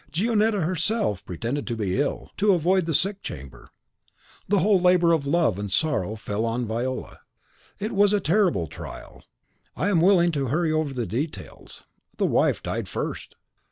Gionetta herself pretended to be ill, to avoid the sick chamber. The whole labour of love and sorrow fell on Viola. It was a terrible trial, I am willing to hurry over the details. The wife died first!